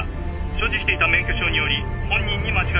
所持していた免許証により本人に間違いないとのこと。